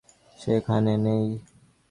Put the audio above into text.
সে এখানে নেই।